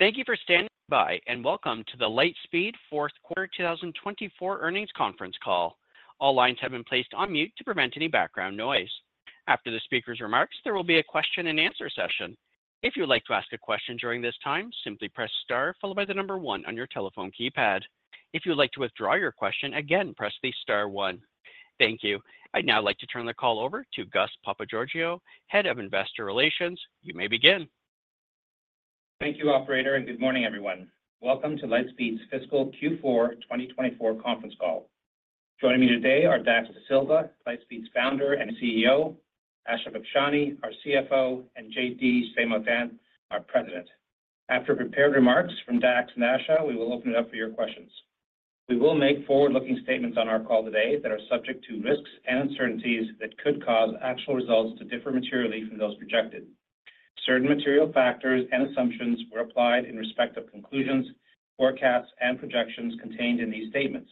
Thank you for standing by, and welcome to the Lightspeed Fourth Quarter 2024 Earnings Conference Call. All lines have been placed on mute to prevent any background noise. After the speaker's remarks, there will be a question and answer session. If you would like to ask a question during this time, simply press star followed by the number one on your telephone keypad. If you would like to withdraw your question, again, press the star one. Thank you. I'd now like to turn the call over to Gus Papageorgiou, Head of Investor Relations. You may begin. Thank you, operator, and good morning, everyone. Welcome to Lightspeed's Fiscal Q4 2024 Conference Call. Joining me today are Dax Dasilva, Lightspeed's Founder and CEO, Asha Bakshani, our CFO, and JD Saint-Martin, our President. After prepared remarks from Dax and Asha, we will open it up for your questions. We will make forward-looking statements on our call today that are subject to risks and uncertainties that could cause actual results to differ materially from those projected. Certain material factors and assumptions were applied in respect of conclusions, forecasts, and projections contained in these statements.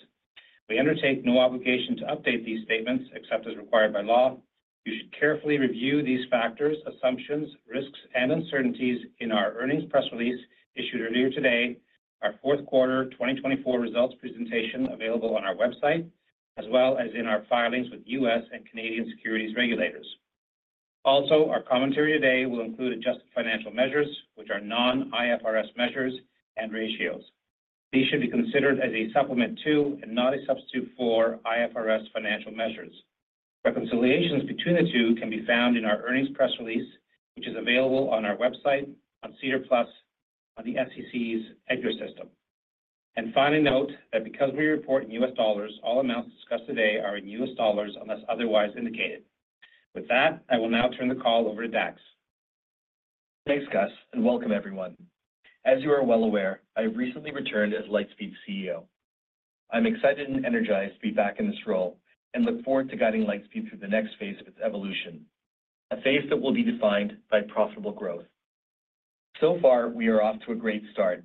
We undertake no obligation to update these statements except as required by law. You should carefully review these factors, assumptions, risks, and uncertainties in our earnings press release issued earlier today, our fourth quarter 2024 results presentation available on our website, as well as in our filings with U.S. and Canadian securities regulators. Also, our commentary today will include adjusted financial measures, which are non-IFRS measures and ratios. These should be considered as a supplement to, and not a substitute for, IFRS financial measures. Reconciliations between the two can be found in our earnings press release, which is available on our website, on SEDAR+, on the SEC's EDGAR system. Finally, note that because we report in U.S. dollars, all amounts discussed today are in U.S. dollars unless otherwise indicated. With that, I will now turn the call over to Dax. Thanks, Gus, and welcome everyone. As you are well aware, I have recently returned as Lightspeed CEO. I'm excited and energized to be back in this role and look forward to guiding Lightspeed through the next phase of its evolution, a phase that will be defined by profitable growth. So far, we are off to a great start.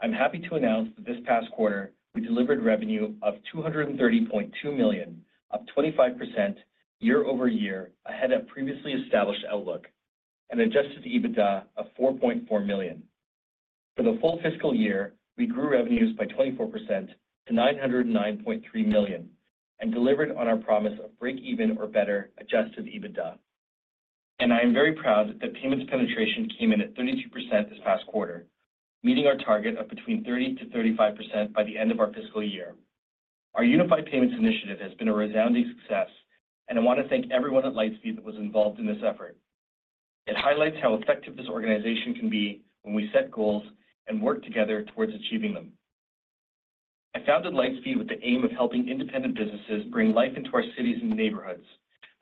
I'm happy to announce that this past quarter, we delivered revenue of $230.2 million, up 25% year-over-year, ahead of previously established outlook, and Adjusted EBITDA of $4.4 million. For the full fiscal year, we grew revenues by 24% to $909.3 million and delivered on our promise of break even or better Adjusted EBITDA. I am very proud that the payments penetration came in at 32% this past quarter, meeting our target of between 30%-35% by the end of our fiscal year. Our Unified Payments initiative has been a resounding success, and I want to thank everyone at Lightspeed that was involved in this effort. It highlights how effective this organization can be when we set goals and work together towards achieving them. I founded Lightspeed with the aim of helping independent businesses bring life into our cities and neighborhoods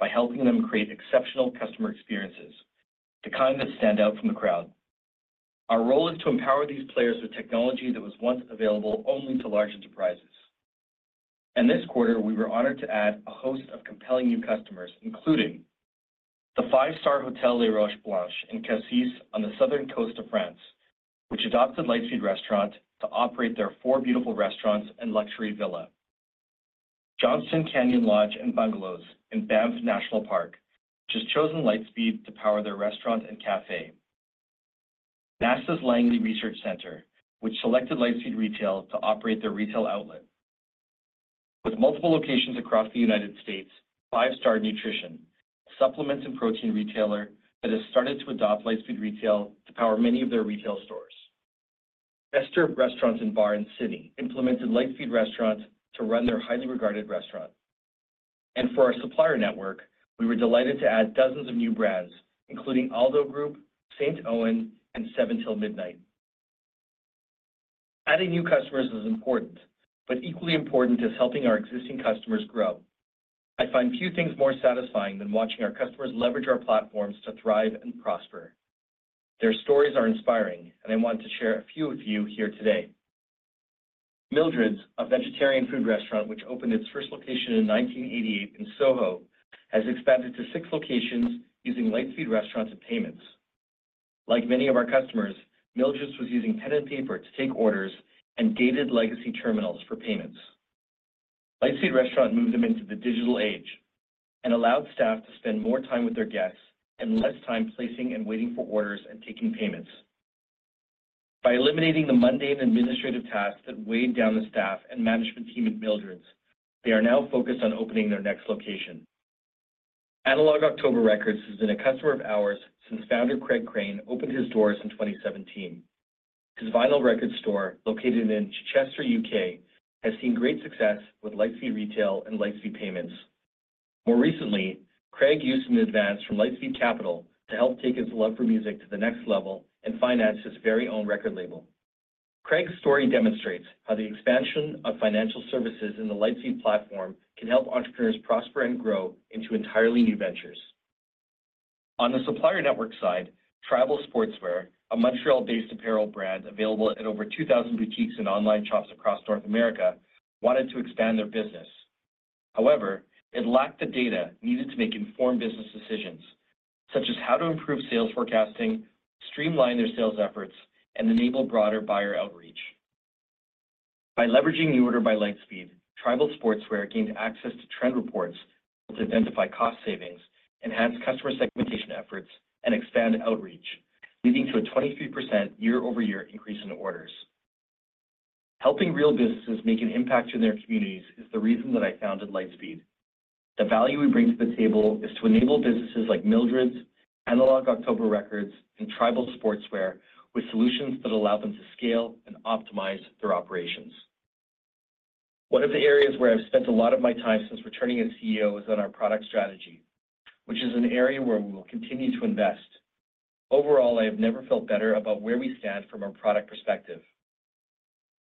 by helping them create exceptional customer experiences, the kind that stand out from the crowd. Our role is to empower these players with technology that was once available only to large enterprises. This quarter, we were honored to add a host of compelling new customers, including the five-star hotel, Les Roches Blanches, in Cassis, on the southern coast of France, which adopted Lightspeed Restaurant to operate their four beautiful restaurants and luxury villa. Johnston Canyon Lodge & Bungalows in Banff National Park, which has chosen Lightspeed to power their restaurant and café. NASA's Langley Research Center, which selected Lightspeed Retail to operate their retail outlet. With multiple locations across the United States, 5 Star Nutrition, supplements and protein retailer that has started to adopt Lightspeed Retail to power many of their retail stores. Esther Restaurant and Bar in city implemented Lightspeed Restaurant to run their highly regarded restaurant. For our supplier network, we were delighted to add dozens of new brands, including ALDO Group, Saint-Ouen, and Seven 'til Midnight. Adding new customers is important, but equally important is helping our existing customers grow. I find few things more satisfying than watching our customers leverage our platforms to thrive and prosper. Their stories are inspiring, and I want to share a few with you here today. Mildreds, a vegetarian food restaurant, which opened its first location in 1988 in Soho, has expanded to six locations using Lightspeed Restaurant and Payments. Like many of our customers, Mildreds was using pen and paper to take orders and dated legacy terminals for payments. Lightspeed Restaurant moved them into the digital age and allowed staff to spend more time with their guests and less time placing and waiting for orders and taking payments. By eliminating the mundane administrative tasks that weighed down the staff and management team at Mildreds, they are now focused on opening their next location. Analog October Records has been a customer of ours since founder Craig Crane opened his doors in 2017. His vinyl record store, located in Chichester, U.K., has seen great success with Lightspeed Retail and Lightspeed Payments. More recently, Craig used an advance from Lightspeed Capital to help take his love for music to the next level and finance his very own record label. Craig's story demonstrates how the expansion of financial services in the Lightspeed platform can help entrepreneurs prosper and grow into entirely new ventures. On the supplier network side, Tribal Sportswear, a Montreal-based apparel brand available in over 2,000 boutiques and online shops across North America, wanted to expand their business. However, it lacked the data needed to make informed business decisions, such as how to improve sales forecasting, streamline their sales efforts, and enable broader buyer outreach. By leveraging NuORDER by Lightspeed, Tribal Sportswear gained access to trend reports to identify cost savings, enhance customer segmentation efforts, and expand outreach, leading to a 23% year-over-year increase in orders. Helping real businesses make an impact in their communities is the reason that I founded Lightspeed. The value we bring to the table is to enable businesses like Mildred's, Analog October Records, and Tribal Sportswear with solutions that allow them to scale and optimize their operations. One of the areas where I've spent a lot of my time since returning as CEO is on our product strategy, which is an area where we will continue to invest. Overall, I have never felt better about where we stand from a product perspective.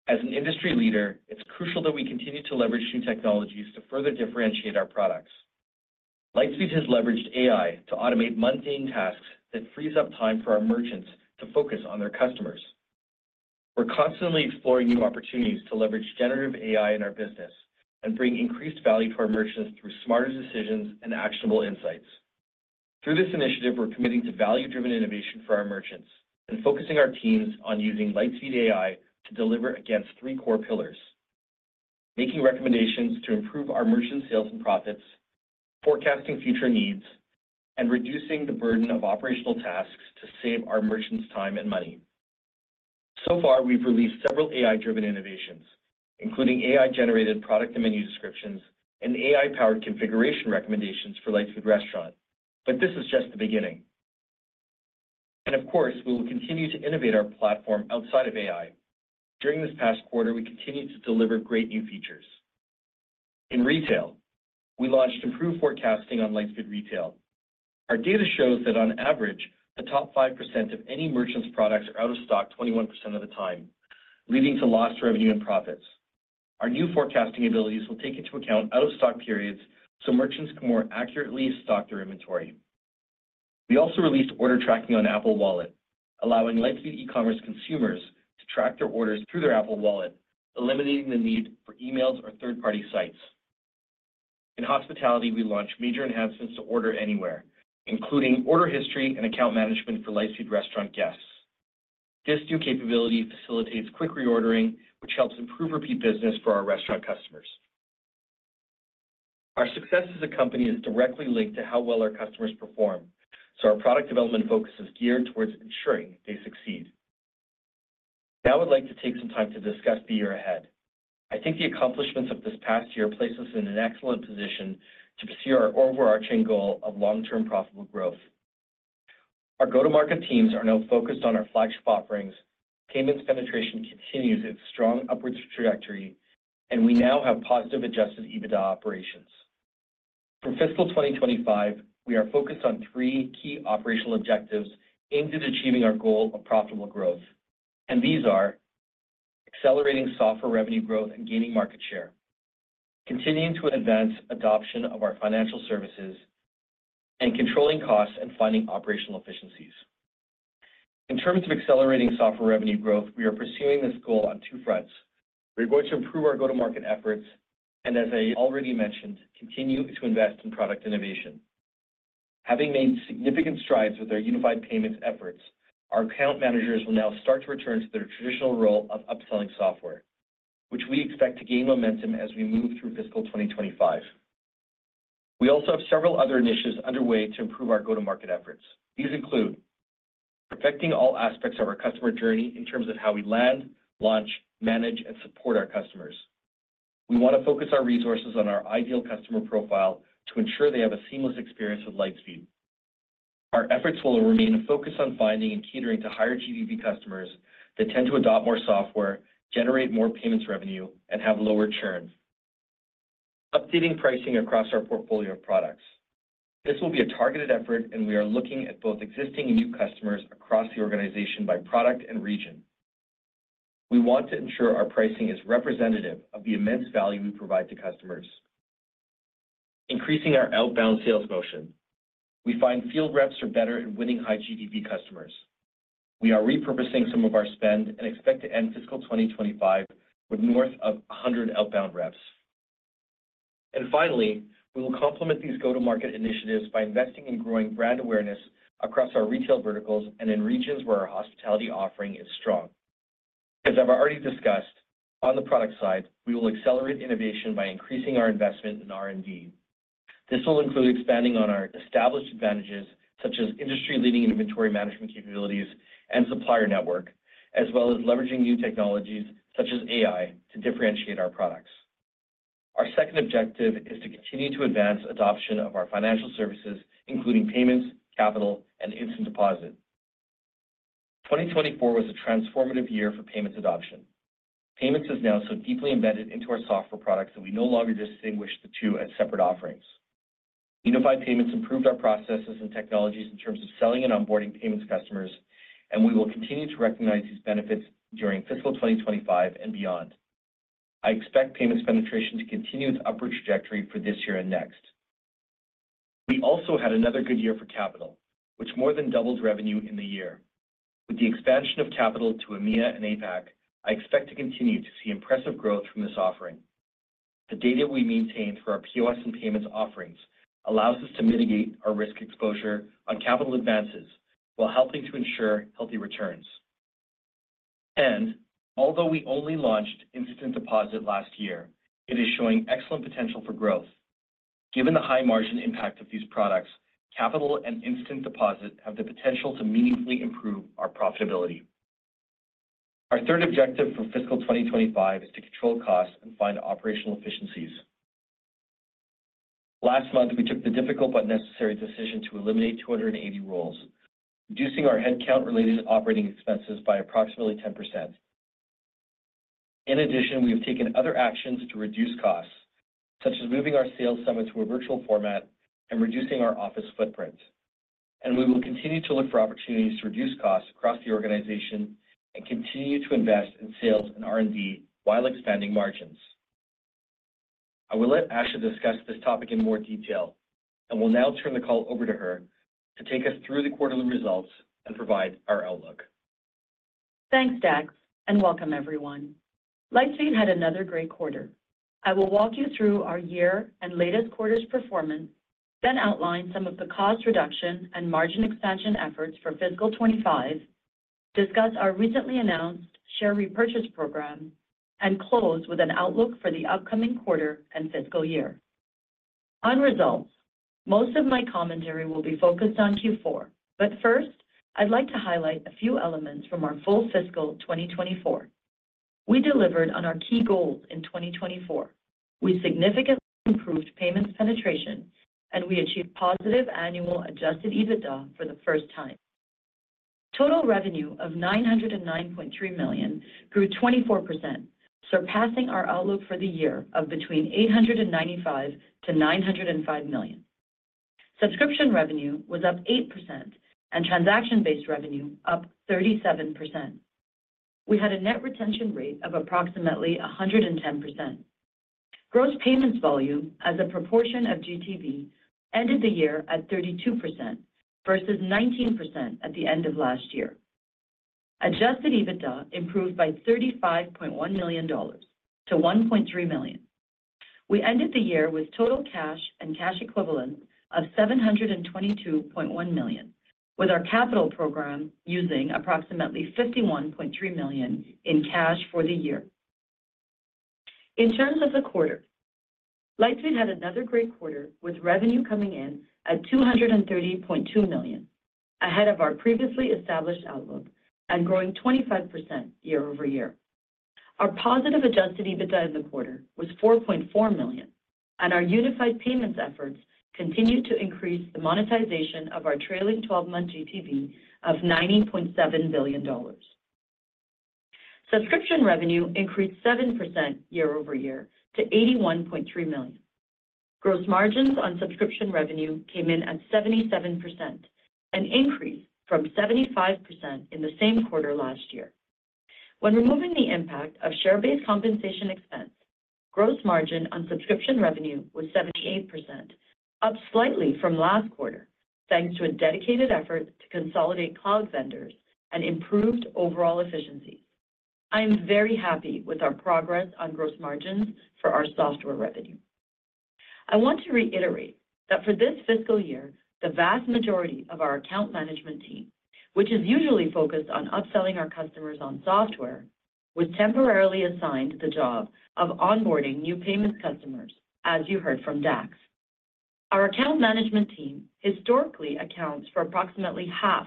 As an industry leader, it's crucial that we continue to leverage new technologies to further differentiate our products. Lightspeed has leveraged AI to automate mundane tasks that frees up time for our merchants to focus on their customers. We're constantly exploring new opportunities to leverage generative AI in our business and bring increased value to our merchants through smarter decisions and actionable insights. Through this initiative, we're committing to value-driven innovation for our merchants and focusing our teams on using Lightspeed AI to deliver against three core pillars: making recommendations to improve our merchant sales and profits, forecasting future needs, and reducing the burden of operational tasks to save our merchants time and money. So far, we've released several AI-driven innovations, including AI-generated product and menu descriptions, and AI-powered configuration recommendations for Lightspeed Restaurant, but this is just the beginning. And of course, we will continue to innovate our platform outside of AI. During this past quarter, we continued to deliver great new features. In retail, we launched improved forecasting on Lightspeed Retail. Our data shows that on average, the top 5% of any merchant's products are out of stock 21% of the time, leading to lost revenue and profits. Our new forecasting abilities will take into account out-of-stock periods, so merchants can more accurately stock their inventory. We also released order tracking on Apple Wallet, allowing Lightspeed e-commerce consumers to track their orders through their Apple Wallet, eliminating the need for emails or third-party sites. In hospitality, we launched major enhancements to Order Anywhere, including order history and account management for Lightspeed Restaurant guests. This new capability facilitates quick reordering, which helps improve repeat business for our restaurant customers. Our success as a company is directly linked to how well our customers perform, so our product development focus is geared towards ensuring they succeed. Now, I would like to take some time to discuss the year ahead. I think the accomplishments of this past year place us in an excellent position to pursue our overarching goal of long-term profitable growth. Our go-to-market teams are now focused on our flagship offerings, payments penetration continues its strong upwards trajectory, and we now have positive Adjusted EBITDA operations. For fiscal 2025, we are focused on three key operational objectives aimed at achieving our goal of profitable growth. These are: accelerating software revenue growth and gaining market share, continuing to advance adoption of our financial services, and controlling costs and finding operational efficiencies. In terms of accelerating software revenue growth, we are pursuing this goal on two fronts. We're going to improve our go-to-market efforts, and as I already mentioned, continue to invest in product innovation. Having made significant strides with our unified payments efforts, our account managers will now start to return to their traditional role of upselling software, which we expect to gain momentum as we move through fiscal 2025. We also have several other initiatives underway to improve our go-to-market efforts. These include: perfecting all aspects of our customer journey in terms of how we land, launch, manage, and support our customers. We want to focus our resources on our ideal customer profile to ensure they have a seamless experience with Lightspeed. Our efforts will remain focused on finding and catering to higher GTV customers that tend to adopt more software, generate more payments revenue, and have lower churn. Updating pricing across our portfolio of products. This will be a targeted effort, and we are looking at both existing and new customers across the organization by product and region. We want to ensure our pricing is representative of the immense value we provide to customers. Increasing our outbound sales motion. We find field reps are better at winning high GTV customers. We are repurposing some of our spend and expect to end fiscal 2025 with north of 100 outbound reps. And finally, we will complement these go-to-market initiatives by investing in growing brand awareness across our retail verticals and in regions where our hospitality offering is strong. As I've already discussed, on the product side, we will accelerate innovation by increasing our investment in R&D. This will include expanding on our established advantages, such as industry-leading inventory management capabilities and supplier network, as well as leveraging new technologies such as AI to differentiate our products. Our second objective is to continue to advance adoption of our financial services, including payments, capital, and instant deposit. 2024 was a transformative year for payments adoption. Payments is now so deeply embedded into our software products that we no longer distinguish the two as separate offerings. Unified Payments improved our processes and technologies in terms of selling and onboarding payments customers, and we will continue to recognize these benefits during fiscal 2025 and beyond. I expect payments penetration to continue its upward trajectory for this year and next. We also had another good year for capital, which more than doubled revenue in the year. With the expansion of capital to EMEA and APAC, I expect to continue to see impressive growth from this offering. The data we maintain for our POS and payments offerings allows us to mitigate our risk exposure on capital advances while helping to ensure healthy returns. And although we only launched Instant Deposit last year, it is showing excellent potential for growth. Given the high margin impact of these products, Capital and Instant Deposit have the potential to meaningfully improve our profitability. Our third objective for fiscal 2025 is to control costs and find operational efficiencies. Last month, we took the difficult but necessary decision to eliminate 280 roles, reducing our headcount related operating expenses by approximately 10%. In addition, we have taken other actions to reduce costs, such as moving our sales summit to a virtual format and reducing our office footprint. We will continue to look for opportunities to reduce costs across the organization and continue to invest in sales and R&D while expanding margins. I will let Asha discuss this topic in more detail, and will now turn the call over to her to take us through the quarterly results and provide our outlook. Thanks, Dax, and welcome everyone. Lightspeed had another great quarter. I will walk you through our year and latest quarter's performance, then outline some of the cost reduction and margin expansion efforts for fiscal 2025, discuss our recently announced share repurchase program, and close with an outlook for the upcoming quarter and fiscal year. On results, most of my commentary will be focused on Q4, but first, I'd like to highlight a few elements from our full fiscal 2024. We delivered on our key goals in 2024. We significantly improved payments penetration, and we achieved positive annual Adjusted EBITDA for the first time. Total revenue of $909.3 million grew 24%, surpassing our outlook for the year of between $895 million-$905 million. Subscription revenue was up 8% and transaction-based revenue up 37%. We had a net retention rate of approximately 110%. Gross payments volume, as a proportion of GTV, ended the year at 32% versus 19% at the end of last year. Adjusted EBITDA improved by $35.1 million to $1.3 million. We ended the year with total cash and cash equivalents of $722.1 million, with our capital program using approximately $51.3 million in cash for the year. In terms of the quarter, Lightspeed had another great quarter, with revenue coming in at $230.2 million, ahead of our previously established outlook and growing 25% year-over-year. Our positive Adjusted EBITDA in the quarter was $4.4 million, and our Unified Payments efforts continued to increase the monetization of our trailing twelve-month GTV of $90.7 billion. Subscription revenue increased 7% year-over-year to $81.3 million. Gross margins on subscription revenue came in at 77%, an increase from 75% in the same quarter last year. When removing the impact of share-based compensation expense, gross margin on subscription revenue was 78%, up slightly from last quarter, thanks to a dedicated effort to consolidate cloud vendors and improved overall efficiencies. I am very happy with our progress on gross margins for our software revenue. I want to reiterate that for this fiscal year, the vast majority of our account management team, which is usually focused on upselling our customers on software, was temporarily assigned the job of onboarding new payment customers, as you heard from Dax. Our account management team historically accounts for approximately half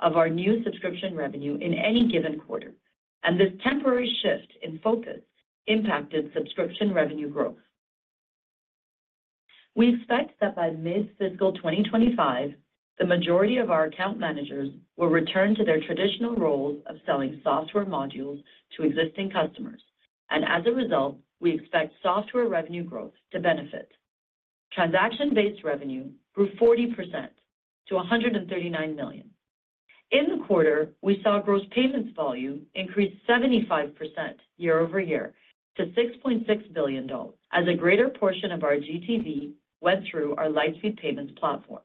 of our new subscription revenue in any given quarter, and this temporary shift in focus impacted subscription revenue growth. We expect that by mid-fiscal 2025, the majority of our account managers will return to their traditional roles of selling software modules to existing customers, and as a result, we expect software revenue growth to benefit. Transaction-based revenue grew 40% to $139 million. In the quarter, we saw gross payments volume increase 75% year-over-year to $6.6 billion, as a greater portion of our GTV went through our Lightspeed Payments platform.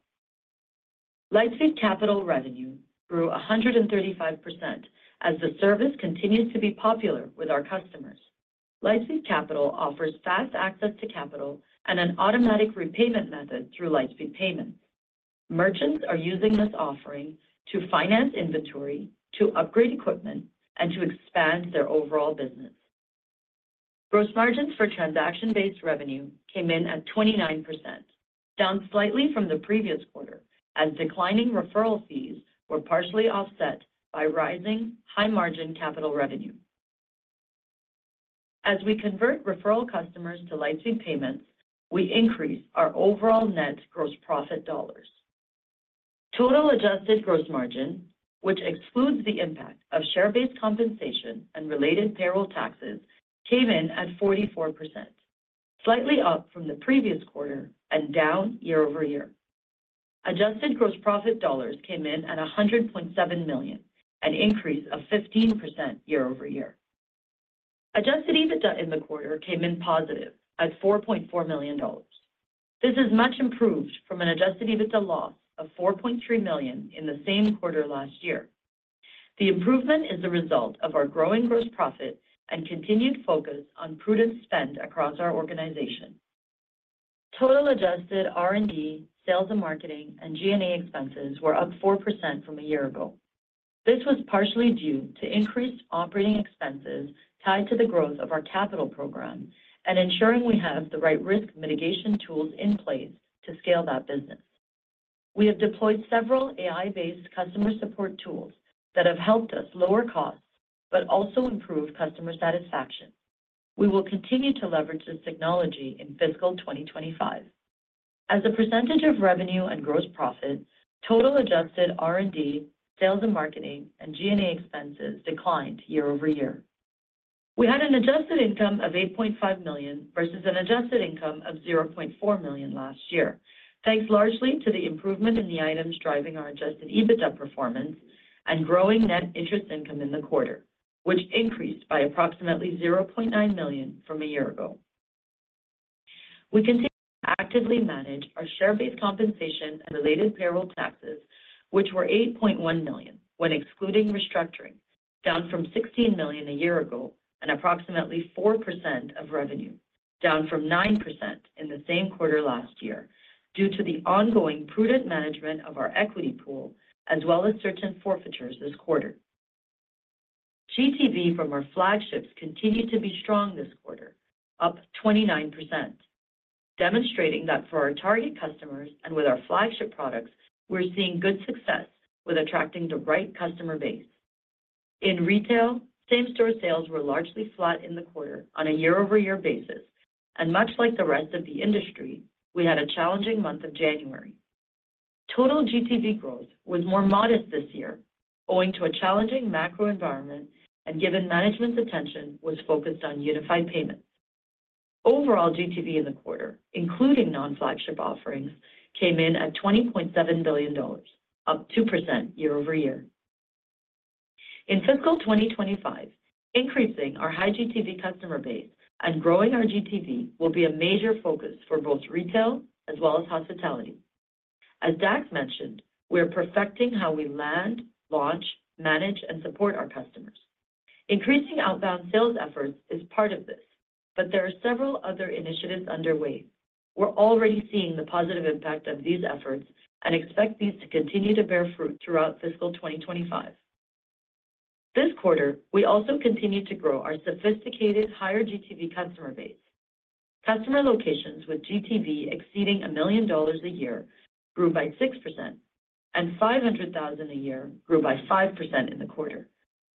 Lightspeed Capital revenue grew 135% as the service continues to be popular with our customers. Lightspeed Capital offers fast access to capital and an automatic repayment method through Lightspeed Payments. Merchants are using this offering to finance inventory, to upgrade equipment, and to expand their overall business. Gross margins for transaction-based revenue came in at 29%, down slightly from the previous quarter, as declining referral fees were partially offset by rising high-margin capital revenue. As we convert referral customers to Lightspeed Payments, we increase our overall net gross profit dollars. Total adjusted gross margin, which excludes the impact of share-based compensation and related payroll taxes, came in at 44%, slightly up from the previous quarter and down year-over-year. Adjusted gross profit dollars came in at $100.7 million, an increase of 15% year-over-year. Adjusted EBITDA in the quarter came in positive at $4.4 million. This is much improved from an Adjusted EBITDA loss of $4.3 million in the same quarter last year. The improvement is a result of our growing gross profit and continued focus on prudent spend across our organization. Total adjusted R&D, sales and marketing, and G&A expenses were up 4% from a year ago. This was partially due to increased operating expenses tied to the growth of our capital program and ensuring we have the right risk mitigation tools in place to scale that business. We have deployed several AI-based customer support tools that have helped us lower costs, but also improved customer satisfaction. We will continue to leverage this technology in fiscal 2025. As a percentage of revenue and gross profit, total adjusted R&D, sales and marketing, and G&A expenses declined year-over-year. We had an adjusted income of $8.5 million versus an adjusted income of $0.4 million last year, thanks largely to the improvement in the items driving our Adjusted EBITDA performance and growing net interest income in the quarter, which increased by approximately $0.9 million from a year ago. We continue to actively manage our share-based compensation and related payroll taxes, which were $8.1 million when excluding restructuring, down from $16 million a year ago, and approximately 4% of revenue, down from 9% in the same quarter last year, due to the ongoing prudent management of our equity pool, as well as certain forfeitures this quarter. GTV from our flagships continued to be strong this quarter, up 29%, demonstrating that for our target customers and with our flagship products, we're seeing good success with attracting the right customer base. In retail, same-store sales were largely flat in the quarter on a year-over-year basis, and much like the rest of the industry, we had a challenging month of January. Total GTV growth was more modest this year, owing to a challenging macro environment and given management's attention was focused on unified payments. Overall GTV in the quarter, including non-flagship offerings, came in at $20.7 billion, up 2% year-over-year. In fiscal 2025, increasing our high GTV customer base and growing our GTV will be a major focus for both retail as well as hospitality. As Dax mentioned, we are perfecting how we land, launch, manage, and support our customers. Increasing outbound sales efforts is part of this, but there are several other initiatives underway. We're already seeing the positive impact of these efforts and expect these to continue to bear fruit throughout fiscal 2025. This quarter, we also continued to grow our sophisticated higher GTV customer base. Customer locations with GTV exceeding $1 million a year grew by 6%, and $500,000 a year grew by 5% in the quarter,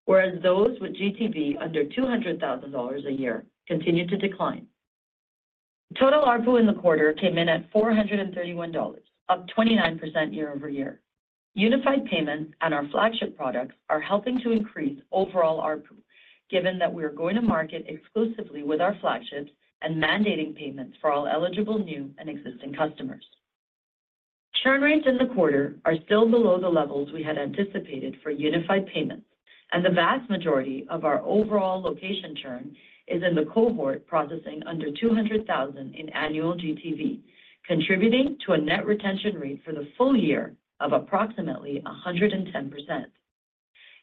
whereas those with GTV under $200,000 a year continued to decline. Total ARPU in the quarter came in at $431, up 29% year-over-year. Unified Payments and our flagship products are helping to increase overall ARPU, given that we are going to market exclusively with our flagships and mandating payments for all eligible, new, and existing customers. Churn rates in the quarter are still below the levels we had anticipated for Unified Payments, and the vast majority of our overall location churn is in the cohort processing under $200,000 in annual GTV, contributing to a net retention rate for the full year of approximately 110%.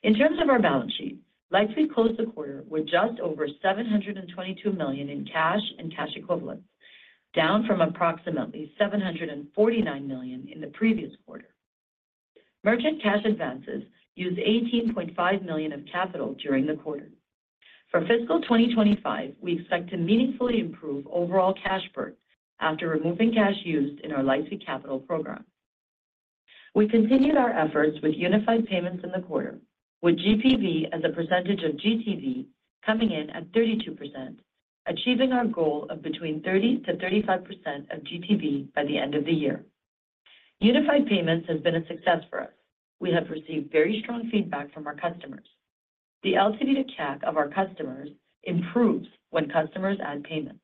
In terms of our balance sheet, Lightspeed closed the quarter with just over $722 million in cash and cash equivalents, down from approximately $749 million in the previous quarter. Merchant cash advances used $18.5 million of capital during the quarter. For fiscal 2025, we expect to meaningfully improve overall cash burn after removing cash used in our Lightspeed Capital program. We continued our efforts with Unified Payments in the quarter, with GPV as a percentage of GTV coming in at 32%, achieving our goal of between 30%-35% of GTV by the end of the year. Unified Payments has been a success for us. We have received very strong feedback from our customers. The LTV to CAC of our customers improves when customers add payments.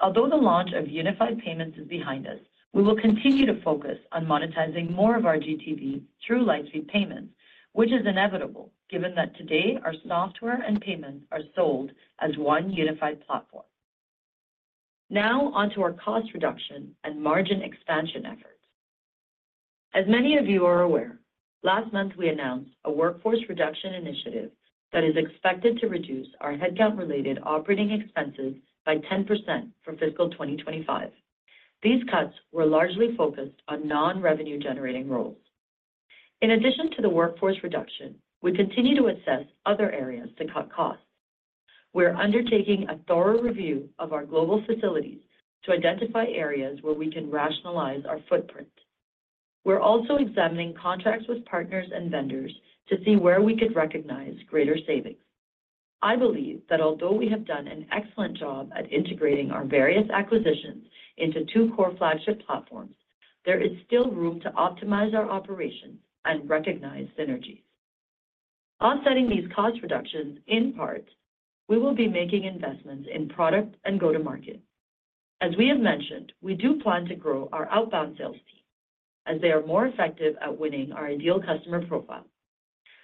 Although the launch of unified payments is behind us, we will continue to focus on monetizing more of our GTV through Lightspeed Payments, which is inevitable, given that today, our software and payments are sold as one unified platform. Now, on to our cost reduction and margin expansion efforts. As many of you are aware, last month we announced a workforce reduction initiative that is expected to reduce our headcount-related operating expenses by 10% for fiscal 2025. These cuts were largely focused on non-revenue-generating roles. In addition to the workforce reduction, we continue to assess other areas to cut costs. We're undertaking a thorough review of our global facilities to identify areas where we can rationalize our footprint. We're also examining contracts with partners and vendors to see where we could recognize greater savings. I believe that although we have done an excellent job at integrating our various acquisitions into two core flagship platforms, there is still room to optimize our operations and recognize synergies. Offsetting these cost reductions, in part, we will be making investments in product and go-to-market. As we have mentioned, we do plan to grow our outbound sales team as they are more effective at winning our ideal customer profile.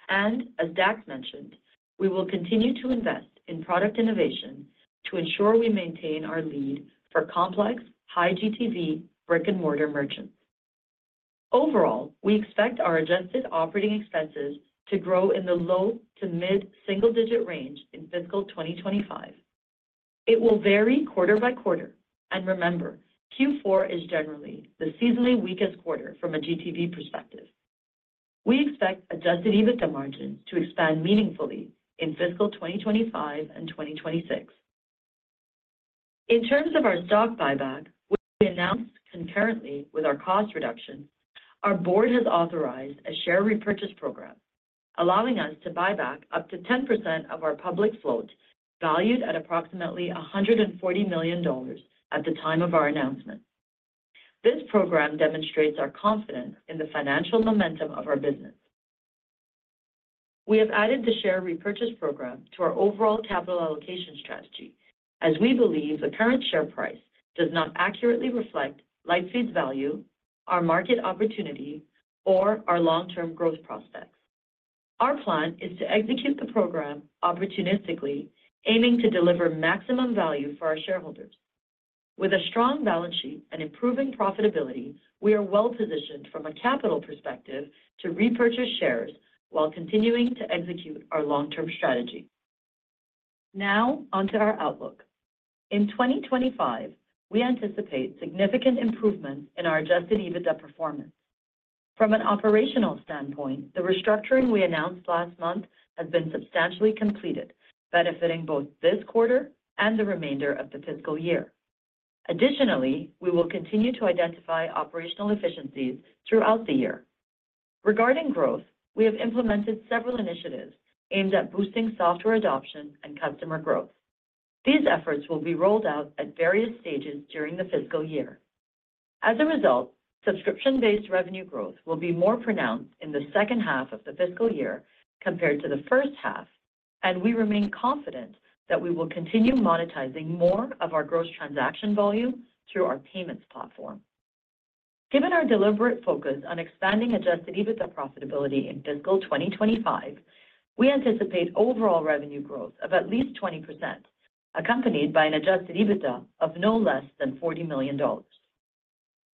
And as Dax mentioned, we will continue to invest in product innovation to ensure we maintain our lead for complex, high GTV, brick-and-mortar merchants. Overall, we expect our adjusted operating expenses to grow in the low to mid-single-digit range in fiscal 2025. It will vary quarter by quarter, and remember, Q4 is generally the seasonally weakest quarter from a GTV perspective. We expect Adjusted EBITDA margins to expand meaningfully in fiscal 2025 and 2026. In terms of our stock buyback, which we announced concurrently with our cost reduction, our board has authorized a share repurchase program, allowing us to buy back up to 10% of our public float, valued at approximately $140 million at the time of our announcement. This program demonstrates our confidence in the financial momentum of our business. We have added the share repurchase program to our overall capital allocation strategy, as we believe the current share price does not accurately reflect Lightspeed's value, our market opportunity, or our long-term growth prospects. Our plan is to execute the program opportunistically, aiming to deliver maximum value for our shareholders. With a strong balance sheet and improving profitability, we are well-positioned from a capital perspective to repurchase shares while continuing to execute our long-term strategy. Now, on to our outlook. In 2025, we anticipate significant improvement in our Adjusted EBITDA performance. From an operational standpoint, the restructuring we announced last month has been substantially completed, benefiting both this quarter and the remainder of the fiscal year. Additionally, we will continue to identify operational efficiencies throughout the year. Regarding growth, we have implemented several initiatives aimed at boosting software adoption and customer growth. These efforts will be rolled out at various stages during the fiscal year. As a result, subscription-based revenue growth will be more pronounced in the second half of the fiscal year compared to the first half, and we remain confident that we will continue monetizing more of our gross transaction volume through our payments platform. Given our deliberate focus on expanding Adjusted EBITDA profitability in fiscal 2025, we anticipate overall revenue growth of at least 20%, accompanied by an Adjusted EBITDA of no less than $40 million.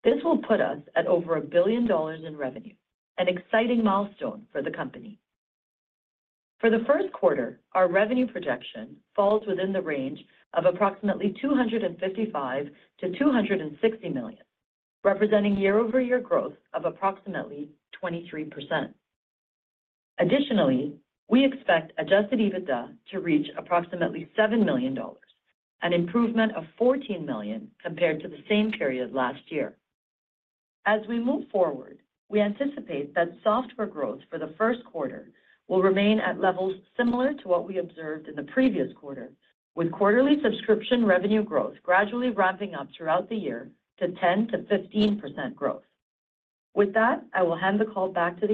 This will put us at over $1 billion in revenue, an exciting milestone for the company. For the first quarter, our revenue projection falls within the range of approximately $255 million-$260 million, representing year-over-year growth of approximately 23%. Additionally, we expect Adjusted EBITDA to reach approximately $7 million, an improvement of $14 million compared to the same period last year. As we move forward, we anticipate that software growth for the first quarter will remain at levels similar to what we observed in the previous quarter, with quarterly subscription revenue growth gradually ramping up throughout the year to 10%-15% growth. With that, I will hand the call back to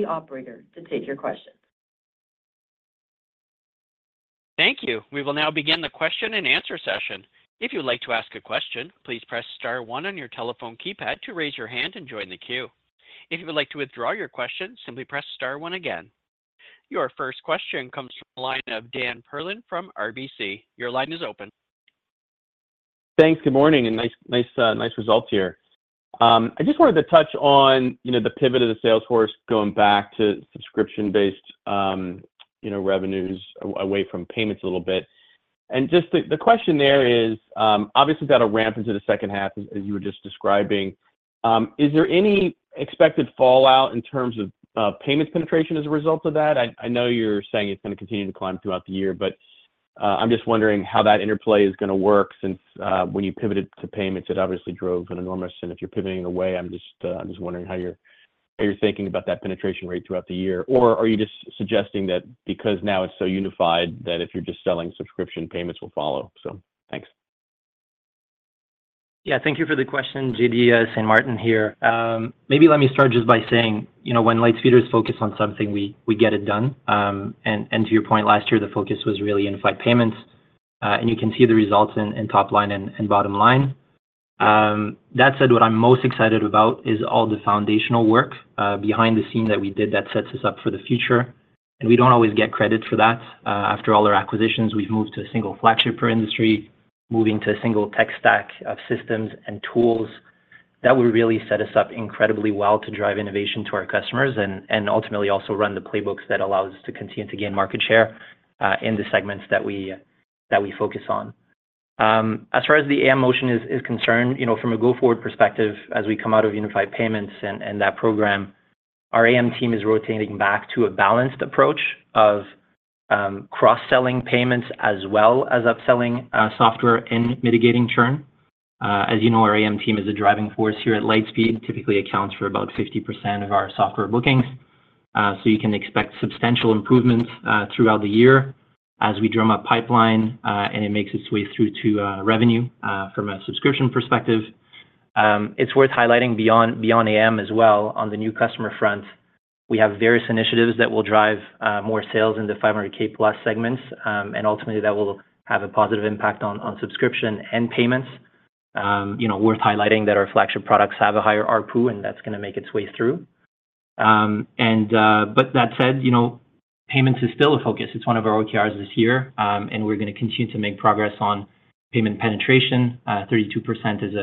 the operator to take your questions. Thank you. We will now begin the question and answer session. If you'd like to ask a question, please press star one on your telephone keypad to raise your hand and join the queue. If you would like to withdraw your question, simply press star one again. Your first question comes from the line of Dan Perlin from RBC. Your line is open. Thanks. Good morning, and nice results here. I just wanted to touch on, you know, the pivot of the sales force going back to subscription-based, you know, revenues away from payments a little bit. And just the question there is, obviously, you've got to ramp into the second half, as you were just describing. Is there any expected fallout in terms of payments penetration as a result of that? I know you're saying it's gonna continue to climb throughout the year, but I'm just wondering how that interplay is gonna work since, when you pivoted to payments, it obviously drove an enormous and if you're pivoting away, I'm just wondering how you're thinking about that penetration rate throughout the year? Or are you just suggesting that because now it's so unified, that if you're just selling subscription, payments will follow? So, thanks. Yeah, thank you for the question, JD. Saint-Martin here. Maybe let me start just by saying, you know, when Lightspeed is focused on something, we get it done. And to your point, last year, the focus was really Unified Payments, and you can see the results in top line and bottom line. That said, what I'm most excited about is all the foundational work behind the scenes that we did that sets us up for the future, and we don't always get credit for that. After all our acquisitions, we've moved to a single flagship per industry, moving to a single tech stack of systems and tools. That will really set us up incredibly well to drive innovation to our customers and ultimately also run the playbooks that allow us to continue to gain market share in the segments that we focus on. As far as the AM motion is concerned, you know, from a go-forward perspective, as we come out of Unified Payments and that program, our AM team is rotating back to a balanced approach of cross-selling payments as well as upselling software and mitigating churn. As you know, our AM team is a driving force here at Lightspeed, typically accounts for about 50% of our software bookings. So you can expect substantial improvements throughout the year as we drum up pipeline and it makes its way through to revenue from a subscription perspective. It's worth highlighting beyond AM as well, on the new customer front, we have various initiatives that will drive more sales in the $500K+ segments, and ultimately, that will have a positive impact on subscription and payments. You know, worth highlighting that our flagship products have a higher ARPU, and that's gonna make its way through. But that said, you know, payments is still a focus. It's one of our OKRs this year, and we're gonna continue to make progress on payment penetration. 32% is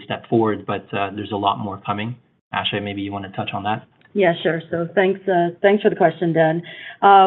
a step forward, but, there's a lot more coming. Asha, maybe you wanna touch on that? Yeah, sure. So thanks, thanks for the question, Dan.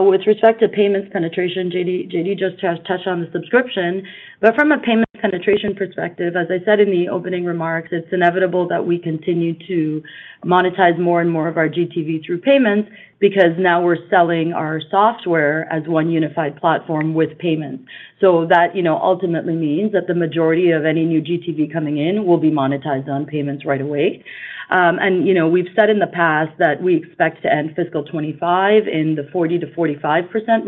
With respect to payments penetration, JD, JD just has touched on the subscription, but from a payments penetration perspective, as I said in the opening remarks, it's inevitable that we continue to monetize more and more of our GTV through payments, because now we're selling our software as one unified platform with payments. So that, you know, ultimately means that the majority of any new GTV coming in will be monetized on payments right away. And, you know, we've said in the past that we expect to end fiscal 2025 in the 40%-45%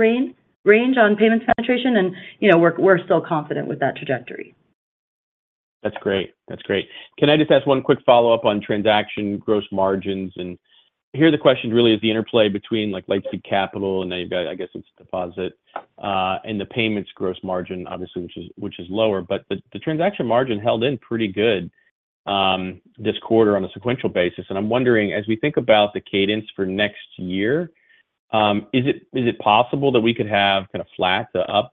range on payments penetration, and, you know, we're still confident with that trajectory. That's great. That's great. Can I just ask one quick follow-up on transaction gross margins? And here, the question really is the interplay between, like, Lightspeed Capital, and now you've got, I guess, it's deposit, and the payments gross margin, obviously, which is, which is lower, but the, the transaction margin held in pretty good, this quarter on a sequential basis. And I'm wondering, as we think about the cadence for next year, is it, is it possible that we could have kinda flat to up,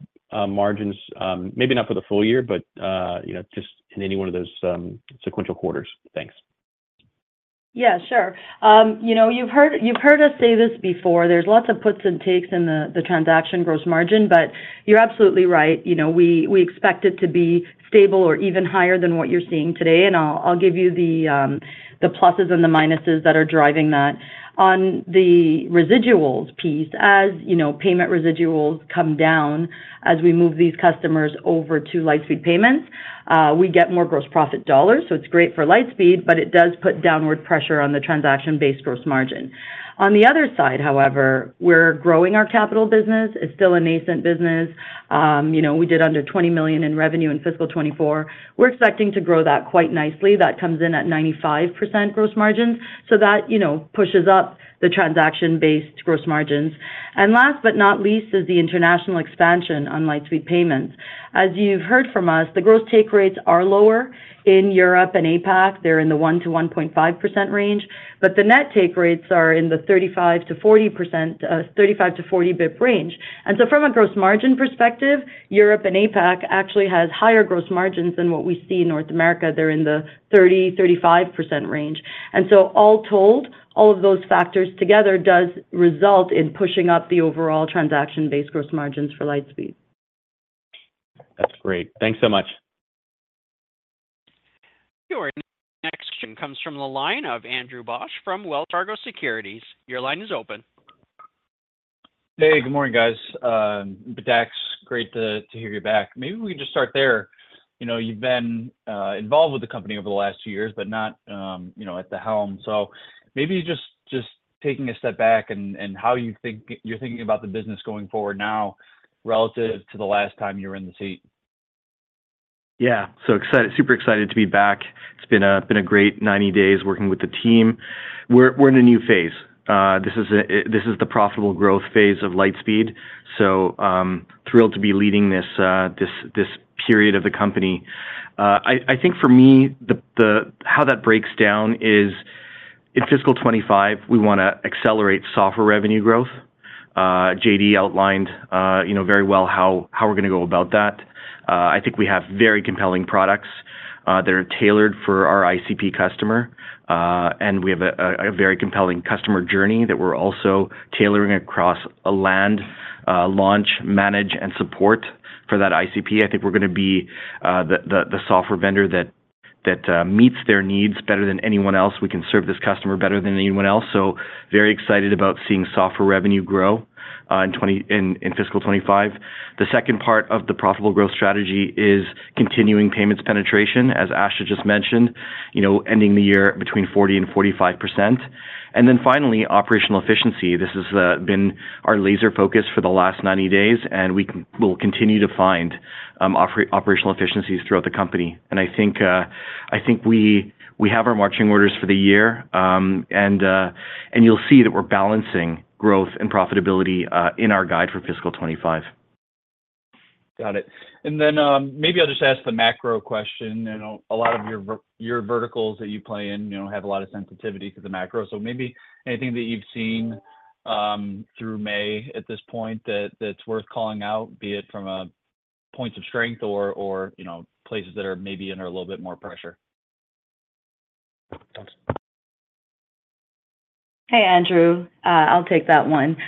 margins, maybe not for the full year, but, you know, just in any one of those, sequential quarters? Thanks. Yeah, sure. You know, you've heard, you've heard us say this before, there's lots of puts and takes in the transaction gross margin, but you're absolutely right. You know, we expect it to be stable or even higher than what you're seeing today, and I'll give you the pluses and the minuses that are driving that. On the residuals piece, as you know, payment residuals come down, as we move these customers over to Lightspeed Payments, we get more gross profit dollars, so it's great for Lightspeed, but it does put downward pressure on the transaction-based gross margin. On the other side, however, we're growing our capital business. It's still a nascent business. You know, we did under $20 million in revenue in fiscal 2024. We're expecting to grow that quite nicely. That comes in at 95% gross margins, so that, you know, pushes up the transaction-based gross margins. And last but not least, is the international expansion on Lightspeed Payments. As you've heard from us, the gross take rates are lower in Europe and APAC. They're in the 1-1.5% range, but the net take rates are in the 35%-40%, 35-40 bps range. And so from a gross margin perspective, Europe and APAC actually has higher gross margins than what we see in North America. They're in the 30%-35% range. And so all told, all of those factors together does result in pushing up the overall transaction-based gross margins for Lightspeed. That's great. Thanks so much. Your next question comes from the line of Andrew Bauch from Wells Fargo Securities. Your line is open. Hey, good morning, guys. Dax, great to hear you back. Maybe we can just start there. You know, you've been involved with the company over the last few years, but not, you know, at the helm. So maybe just taking a step back and you're thinking about the business going forward now relative to the last time you were in the seat? Yeah. So excited—super excited to be back. It's been a great 90 days working with the team. We're in a new phase. This is the profitable growth phase of Lightspeed, so thrilled to be leading this period of the company. I think for me, how that breaks down is, in fiscal 2025, we wanna accelerate software revenue growth. JD outlined, you know, very well how we're gonna go about that. I think we have very compelling products that are tailored for our ICP customer, and we have a very compelling customer journey that we're also tailoring across a land, launch, manage, and support for that ICP. I think we're gonna be the software vendor that meets their needs better than anyone else. We can serve this customer better than anyone else, so very excited about seeing software revenue grow in fiscal 2025. The second part of the profitable growth strategy is continuing payments penetration, as Asha just mentioned, you know, ending the year between 40% and 45%. And then finally, operational efficiency. This has been our laser focus for the last 90 days, and we'll continue to find operational efficiencies throughout the company. And I think we have our marching orders for the year, and you'll see that we're balancing growth and profitability in our guide for fiscal 2025. Got it. And then, maybe I'll just ask the macro question. You know, a lot of your verticals that you play in, you know, have a lot of sensitivity to the macro. So maybe anything that you've seen through May at this point that's worth calling out, be it from points of strength or, you know, places that are maybe under a little bit more pressure? Thanks. Hey, Andrew, I'll take that one.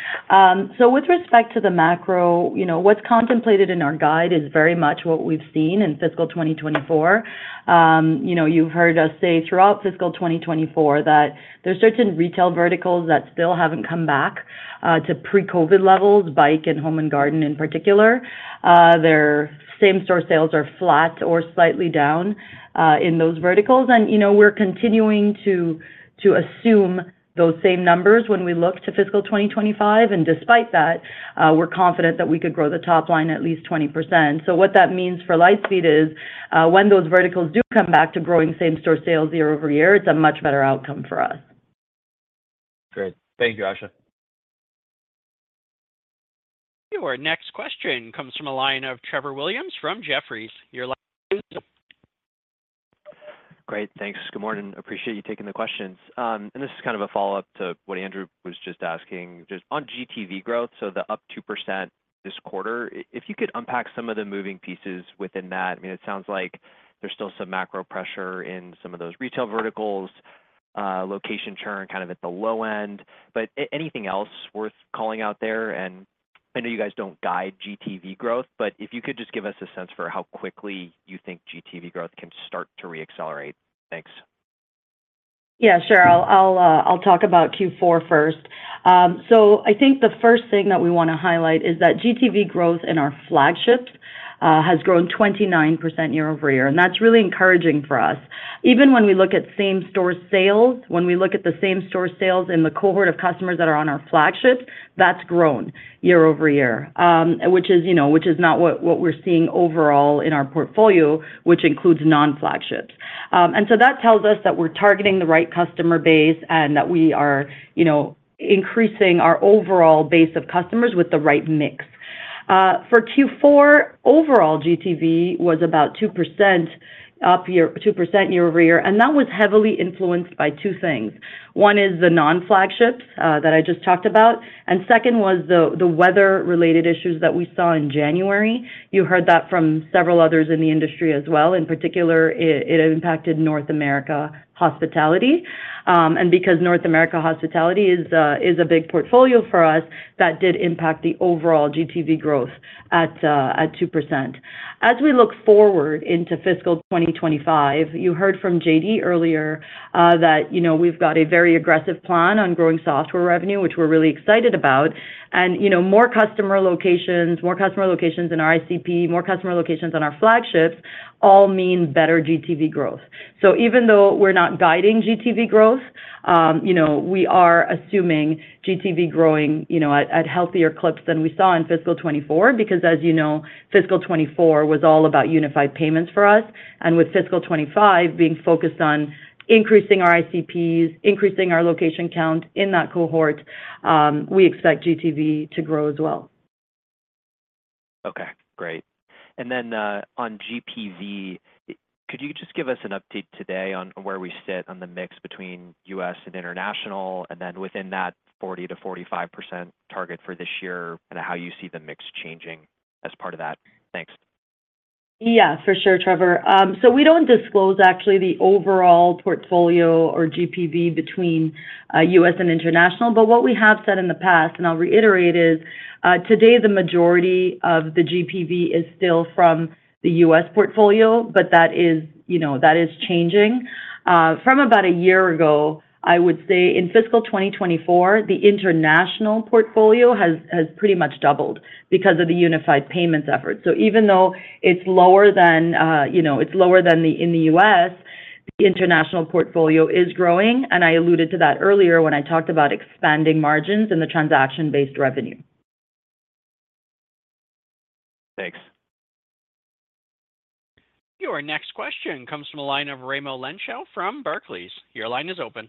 So with respect to the macro, you know, what's contemplated in our guide is very much what we've seen in fiscal 2024. You know, you've heard us say throughout fiscal 2024 that there's certain retail verticals that still haven't come back to pre-COVID levels, bike and home and garden in particular. Their same-store sales are flat or slightly down in those verticals. And, you know, we're continuing to assume those same numbers when we look to fiscal 2025, and despite that, we're confident that we could grow the top line at least 20%. So what that means for Lightspeed is, when those verticals do come back to growing same-store sales year-over-year, it's a much better outcome for us. Great. Thank you, Asha. Our next question comes from a line of Trevor Williams from Jefferies. Your line is open. Great. Thanks. Good morning. Appreciate you taking the questions. And this is kind of a follow-up to what Andrew was just asking, just on GTV growth, so the up 2% this quarter. If you could unpack some of the moving pieces within that. I mean, it sounds like there's still some macro pressure in some of those retail verticals, location churn, kind of at the low end. But anything else worth calling out there? And I know you guys don't guide GTV growth, but if you could just give us a sense for how quickly you think GTV growth can start to reaccelerate. Thanks. Yeah, sure. I'll talk about Q4 first. So I think the first thing that we want to highlight is that GTV growth in our flagships has grown 29% year-over-year, and that's really encouraging for us. Even when we look at same-store sales, when we look at the same-store sales and the cohort of customers that are on our flagships, that's grown year-over-year. Which is, you know, which is not what we're seeing overall in our portfolio, which includes non-flagships. And so that tells us that we're targeting the right customer base and that we are, you know, increasing our overall base of customers with the right mix. For Q4, overall GTV was about 2% up year-over-year, and that was heavily influenced by two things. One is the non-flagships that I just talked about, and second was the weather-related issues that we saw in January. You heard that from several others in the industry as well. In particular, it impacted North America Hospitality. And because North America Hospitality is a big portfolio for us, that did impact the overall GTV growth at 2%. As we look forward into fiscal 2025, you heard from JD earlier that, you know, we've got a very aggressive plan on growing software revenue, which we're really excited about. And, you know, more customer locations, more customer locations in our ICP, more customer locations on our flagships all mean better GTV growth. So even though we're not guiding GTV growth, you know, we are assuming GTV growing, you know, at healthier clips than we saw in fiscal 2024. Because, as you know, fiscal 2024 was all about Unified Payments for us, and with fiscal 2025 being focused on increasing our ICPs, increasing our location count in that cohort, we expect GTV to grow as well. Okay, great. And then, on GPV, could you just give us an update today on where we sit on the mix between U.S. and international, and then within that 40%-45% target for this year, and how you see the mix changing as part of that? Thanks. Yeah, for sure, Trevor. So we don't disclose actually the overall portfolio or GPV between U.S. and international, but what we have said in the past, and I'll reiterate, is today, the majority of the GPV is still from the U.S. portfolio, but that is, you know, that is changing. From about a year ago, I would say in fiscal 2024, the international portfolio has pretty much doubled because of the Unified Payments effort. So even though it's lower than, you know, it's lower than the U.S., the international portfolio is growing, and I alluded to that earlier when I talked about expanding margins and the transaction-based revenue. Thanks. Your next question comes from a line of Raimo Lenschow from Barclays. Your line is open.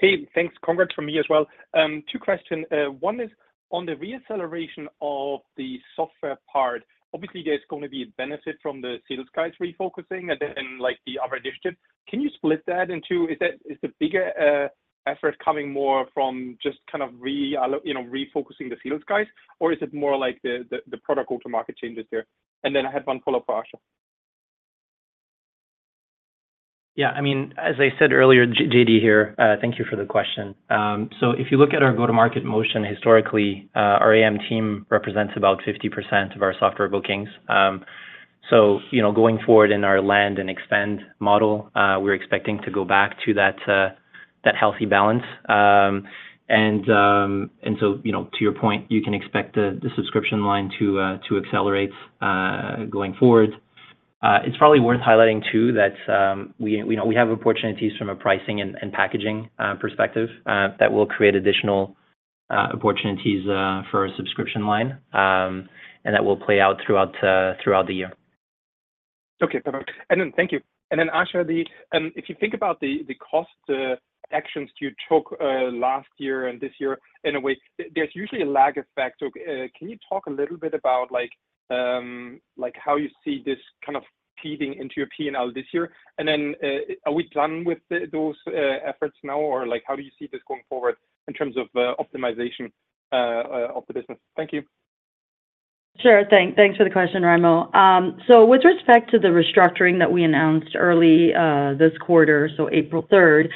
Hey, thanks. Congrats from me as well. Two questions. One is on the reacceleration of the software part. Obviously, there's going to be a benefit from the sales guys refocusing and then, like, the other addition. Can you split that in two? Is that - Is the bigger effort coming more from just kind of, you know, refocusing the sales guys, or is it more like the product go-to-market changes there? And then I had one follow-up for Asha. Yeah, I mean, as I said earlier... JD here. Thank you for the question. So if you look at our go-to-market motion, historically, our AM team represents about 50% of our software bookings. So, you know, going forward in our land and expand model, we're expecting to go back to that, that healthy balance. And, and so, you know, to your point, you can expect the, the subscription line to, to accelerate, going forward. It's probably worth highlighting too, that, we, we know we have opportunities from a pricing and, and packaging, perspective, that will create additional, opportunities, for our subscription line, and that will play out throughout, throughout the year. Okay, perfect. And then, thank you. And then, Asha, if you think about the cost actions you took last year and this year, in a way, there's usually a lag effect. So, can you talk a little bit about like, like, how you see this kind of feeding into your PNL this year? And then, are we done with those efforts now? Or like, how you see this going forward in terms of optimization of the business? Thank you. Sure. Thanks for the question, Raimo. So with respect to the restructuring that we announced early this quarter, so April 3rd,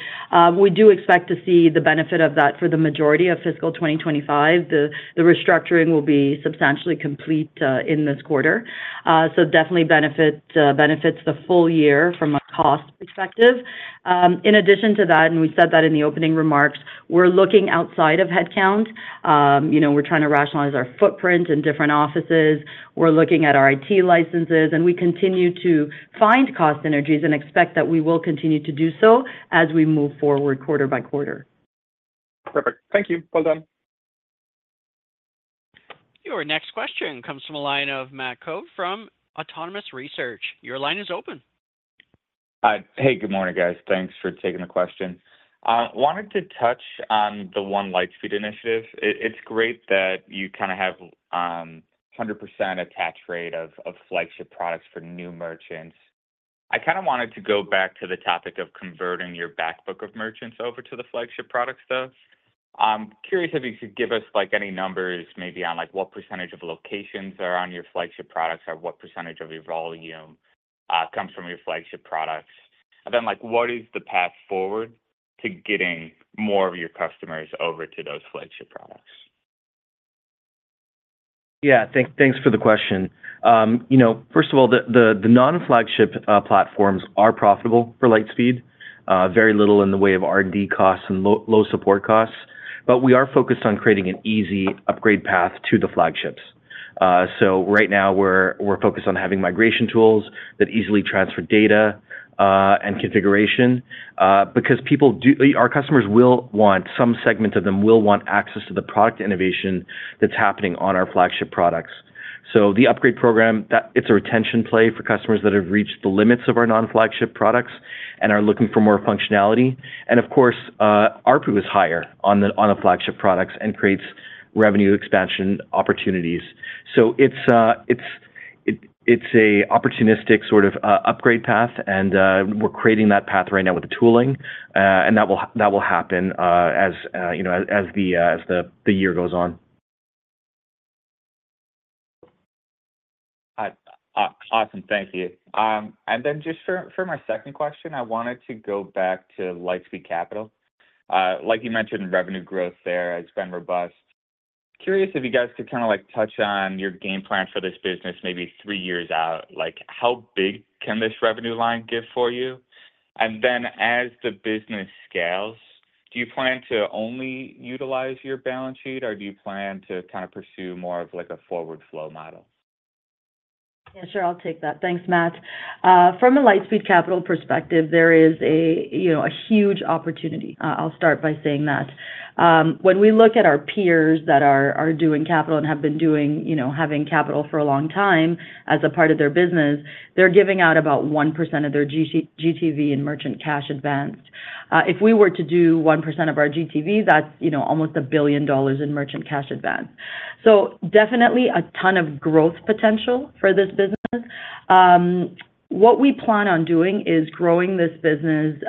we do expect to see the benefit of that for the majority of fiscal 2025. The restructuring will be substantially complete in this quarter. So definitely benefits the full year from a cost perspective. In addition to that, and we said that in the opening remarks, we're looking outside of headcount. You know, we're trying to rationalize our footprint in different offices. We're looking at our IT licenses, and we continue to find cost synergies and expect that we will continue to do so as we move forward quarter by quarter. Perfect. Thank you. Well done. Your next question comes from a line of Matt Coad from Autonomous Research. Your line is open. Hey, good morning, guys. Thanks for taking the question. Wanted to touch on the One Lightspeed initiative. It's great that you kinda have 100% attach rate of flagship products for new merchants. I kinda wanted to go back to the topic of converting your back book of merchants over to the flagship products, though. I'm curious if you could give us, like, any numbers maybe on, like, what percentage of locations are on your flagship products, or what percentage of your volume comes from your flagship products? And then, like, what is the path forward to getting more of your customers over to those flagship products? Yeah, thanks for the question. You know, first of all, the non-flagship platforms are profitable for Lightspeed, very little in the way of R&D costs and low support costs, but we are focused on creating an easy upgrade path to the flagships. So right now we're focused on having migration tools that easily transfer data and configuration, because our customers, some segment of them, will want access to the product innovation that's happening on our flagship products. So the upgrade program, that it's a retention play for customers that have reached the limits of our non-flagship products and are looking for more functionality. And of course, ARPU is higher on the flagship products and creates revenue expansion opportunities. So it's an opportunistic sort of upgrade path, and we're creating that path right now with the tooling, and that will happen, you know, as the year goes on. Awesome. Thank you. And then just for my second question, I wanted to go back to Lightspeed Capital. Like you mentioned, revenue growth there has been robust. Curious if you guys could kinda like touch on your game plan for this business, maybe three years out. Like, how big can this revenue line get for you? And then as the business scales, do you plan to only utilize your balance sheet, or do you plan to kinda pursue more of like a forward flow model? Yeah, sure. I'll take that. Thanks, Matt. From a Lightspeed Capital perspective, there is a, you know, a huge opportunity. I'll start by saying that. When we look at our peers that are doing capital and have been doing, you know, having capital for a long time as a part of their business, they're giving out about 1% of their GTV in merchant cash advances. If we were to do 1% of our GTV, that's, you know, almost $1 billion in merchant cash advance. So definitely a ton of growth potential for this business. What we plan on doing is growing this business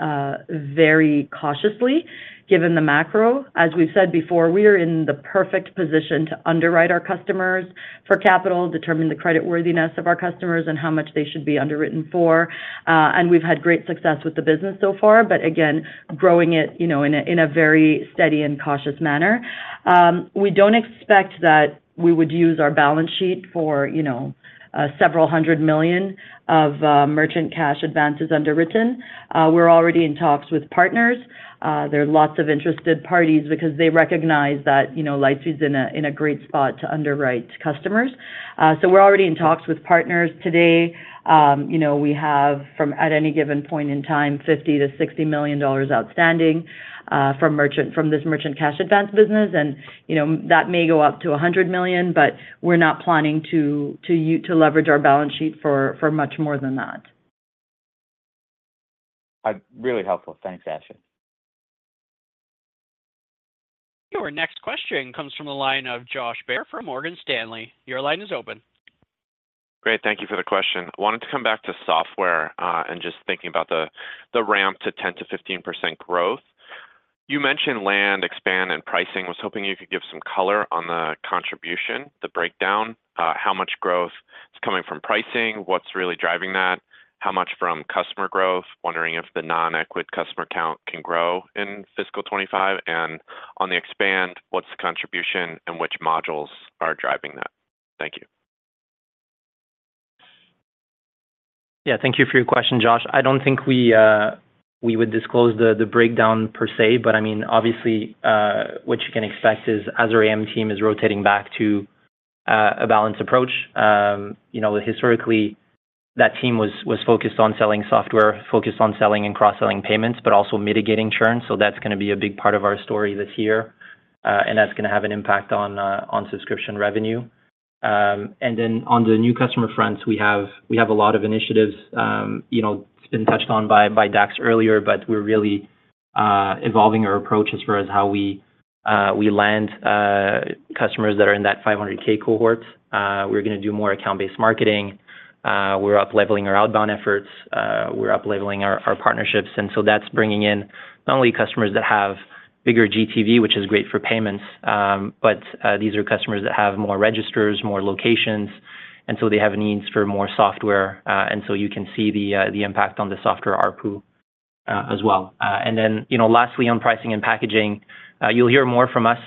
very cautiously, given the macro. As we've said before, we are in the perfect position to underwrite our customers for capital, determine the credit worthiness of our customers, and how much they should be underwritten for. We've had great success with the business so far, but again, growing it, you know, in a very steady and cautious manner. We don't expect that we would use our balance sheet for, you know, several hundred million of merchant cash advances underwritten. We're already in talks with partners. There are lots of interested parties because they recognize that, you know, Lightspeed's in a great spot to underwrite customers. So we're already in talks with partners today. You know, we have at any given point in time $50 million-$60 million outstanding from this merchant cash advance business. And, you know, that may go up to $100 million, but we're not planning to leverage our balance sheet for much more than that. Really helpful. Thanks, Asha. Your next question comes from the line of Josh Baer from Morgan Stanley. Your line is open. Great. Thank you for the question. I wanted to come back to software and just thinking about the ramp to 10%-15% growth. You mentioned land, expand, and pricing. I was hoping you could give some color on the contribution, the breakdown, how much growth is coming from pricing, what's really driving that? How much from customer growth? Wondering if the non-ICP customer count can grow in fiscal 2025, and on the expand, what's the contribution and which modules are driving that? Thank you. Yeah, thank you for your question, Josh. I don't think we would disclose the breakdown per se, but I mean, obviously, what you can expect is, as our AM team is rotating back to a balanced approach, you know, historically, that team was focused on selling software, focused on selling and cross-selling payments, but also mitigating churn. So that's gonna be a big part of our story this year, and that's gonna have an impact on subscription revenue. And then on the new customer front, we have a lot of initiatives, you know, it's been touched on by Dax earlier, but we're really evolving our approach as far as how we land customers that are in that $500K cohort. We're gonna do more account-based marketing. We're up-leveling our outbound efforts, we're up-leveling our partnerships, and so that's bringing in not only customers that have bigger GTV, which is great for payments, but these are customers that have more registers, more locations, and so they have a need for more software. And so you can see the impact on the software ARPU, as well. And then, you know, lastly, on pricing and packaging, you'll hear more from us,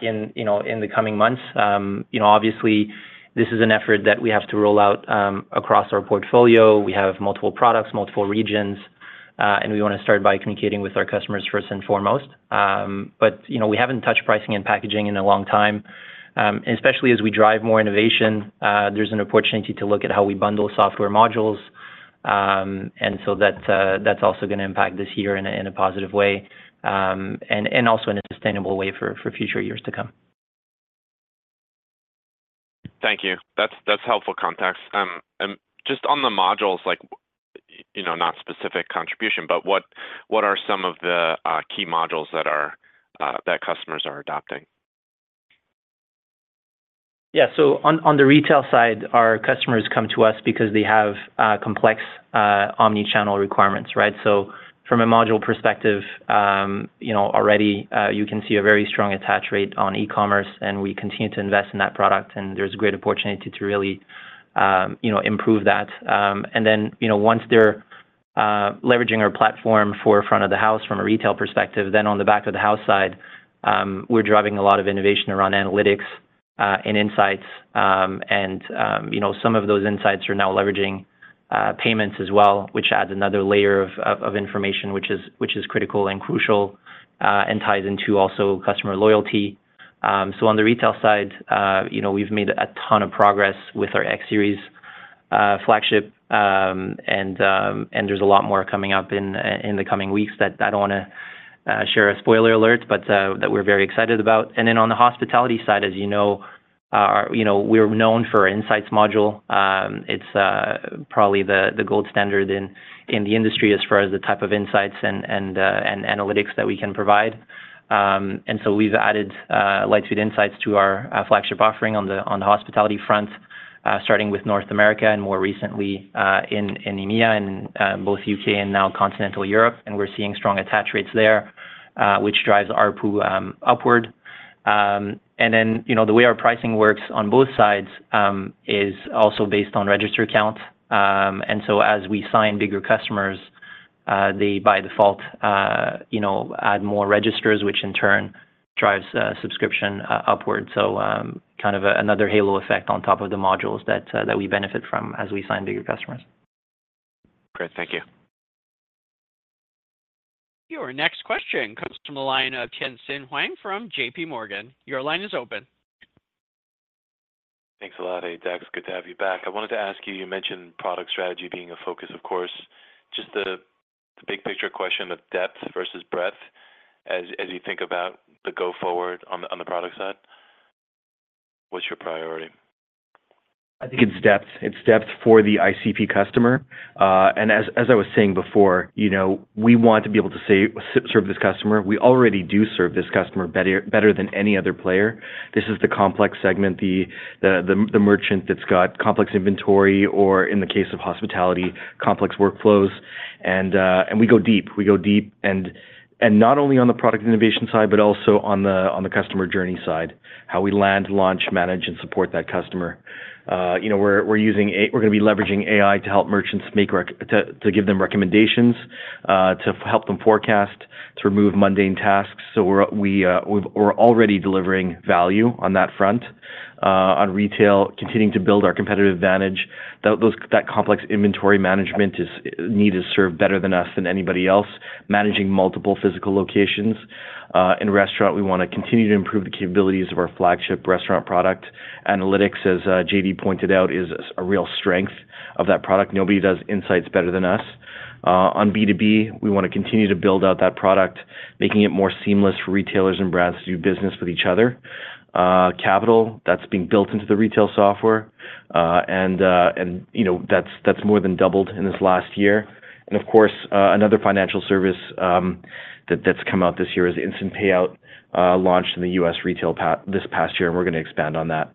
in, you know, in the coming months. You know, obviously, this is an effort that we have to roll out, across our portfolio. We have multiple products, multiple regions, and we wanna start by communicating with our customers first and foremost. But, you know, we haven't touched pricing and packaging in a long time. Especially as we drive more innovation, there's an opportunity to look at how we bundle software modules. So that's also gonna impact this year in a positive way, and also in a sustainable way for future years to come. Thank you. That's, that's helpful context. And just on the modules, like, you know, not specific contribution, but what are some of the key modules that customers are adopting? Yeah. So on the retail side, our customers come to us because they have complex omni-channel requirements, right? So from a module perspective, you know, already you can see a very strong attach rate on e-commerce, and we continue to invest in that product, and there's a great opportunity to really, you know, improve that. And then, you know, once they're leveraging our platform for front of the house from a retail perspective, then on the back-of-the-house side, we're driving a lot of innovation around analytics and insights. And, you know, some of those insights are now leveraging payments as well, which adds another layer of information, which is critical and crucial, and ties into also customer loyalty. So on the retail side, you know, we've made a ton of progress with our X-Series flagship. And there's a lot more coming up in the coming weeks that I don't wanna share a spoiler alert, but that we're very excited about. And then on the hospitality side, as you know, you know, we're known for our Insights module. It's probably the gold standard in the industry as far as the type of insights and analytics that we can provide. And so we've added Lightspeed Insights to our flagship offering on the hospitality front, starting with North America and more recently in EMEA and both U.K. and now continental Europe, and we're seeing strong attach rates there, which drives ARPU upward. And then, you know, the way our pricing works on both sides is also based on register count. And so as we sign bigger customers, they, by default, you know, add more registers, which in turn drives subscription upward. So, kind of another halo effect on top of the modules that we benefit from as we sign bigger customers. Great. Thank you. Your next question comes from the line of Tien-Tsin Huang from JPMorgan. Your line is open. Thanks a lot. Hey, Dax, good to have you back. I wanted to ask you, you mentioned product strategy being a focus, of course, just the big picture question of depth versus breadth. As you think about the go forward on the product side, what's your priority? I think it's depth. It's depth for the ICP customer. And as I was saying before, you know, we want to be able to say, "serve this customer." We already do serve this customer better, better than any other player. This is the complex segment, the merchant that's got complex inventory or in the case of hospitality, complex workflows. And we go deep, we go deep, and not only on the product innovation side, but also on the customer journey side, how we land, launch, manage, and support that customer. You know, we're using a-- we're gonna be leveraging AI to help merchants give them recommendations, to help them forecast, to remove mundane tasks. So we're already delivering value on that front. On retail, continuing to build our competitive advantage. Those that need complex inventory management, we serve better than anybody else. Managing multiple physical locations. In restaurant, we wanna continue to improve the capabilities of our flagship restaurant product. Analytics, as JD pointed out, is a real strength of that product. Nobody does insights better than us. On B2B, we wanna continue to build out that product, making it more seamless for retailers and brands to do business with each other. Capital, that's being built into the retail software, you know, that's more than doubled in this last year. And of course, another financial service that's come out this year is instant payout, launched in the U.S. retail this past year, and we're gonna expand on that.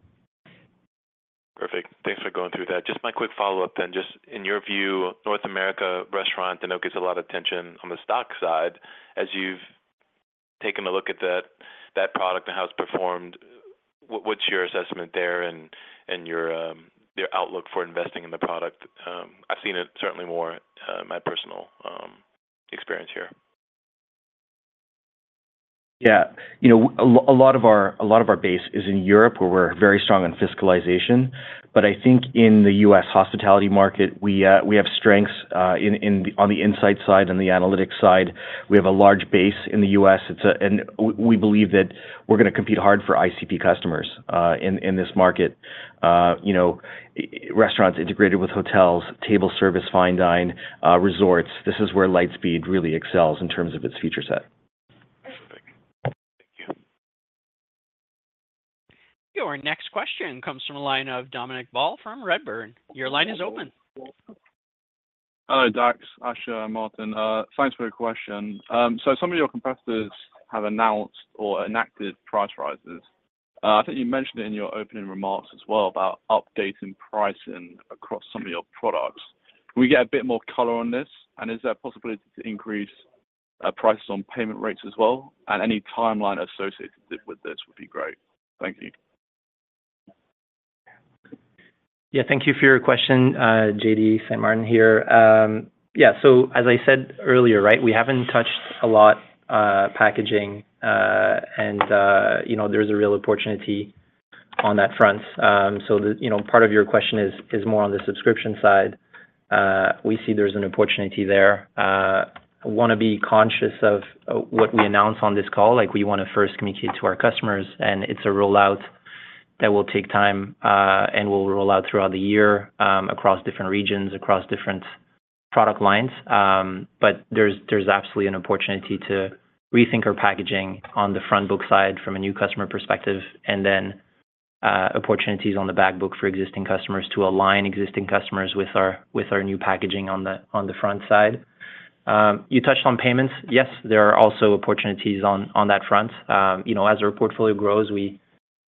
Perfect. Thanks for going through that. Just my quick follow-up then, just in your view, North America restaurant, I know, gets a lot of attention on the stock side. As you've taken a look at that, that product and how it's performed, what, what's your assessment there and, and your, your outlook for investing in the product? I've seen it certainly more, my personal experience here. Yeah. You know, a lot of our base is in Europe, where we're very strong on fiscalization. But I think in the U.S. hospitality market, we have strengths in on the insight side and the analytics side. We have a large base in the U.S. And we believe that we're gonna compete hard for ICP customers in this market. You know, restaurants integrated with hotels, table service, fine dining, resorts, this is where Lightspeed really excels in terms of its feature set. Perfect. Thank you. Your next question comes from a line of Dominic Ball from Redburn. Your line is open. Hello, Dax, Asha, JD Saint-Martin. Thanks for your question. So some of your competitors have announced or enacted price rises. I think you mentioned in your opening remarks as well about updating pricing across some of your products. Can we get a bit more color on this, and is there a possibility to increase prices on payment rates as well? And any timeline associated with this would be great. Thank you. Yeah, thank you for your question, JD Saint-Martin here. Yeah, so as I said earlier, right, we haven't touched a lot packaging, and you know, there's a real opportunity on that front. So the, you know, part of your question is more on the subscription side. We see there's an opportunity there. I wanna be conscious of what we announce on this call. Like, we wanna first communicate to our customers, and it's a rollout that will take time, and will roll out throughout the year, across different regions, across different product lines, but there's absolutely an opportunity to rethink our packaging on the front book side from a new customer perspective, and then, opportunities on the back book for existing customers to align existing customers with our new packaging on the front side. You touched on payments. Yes, there are also opportunities on that front. You know, as our portfolio grows,